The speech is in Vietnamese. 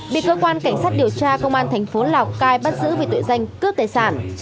bị cơ quan cảnh sát điều tra công an thành phố lào cai bắt giữ về tội danh cướp tài sản